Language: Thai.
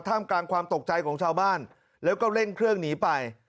กลางความตกใจของชาวบ้านแล้วก็เร่งเครื่องหนีไป